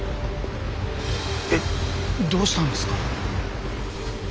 どうしたんですか？